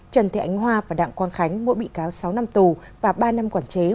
trần thị ánh hoa và đặng quang khánh mỗi bị cáo sáu năm tù và ba năm quản chế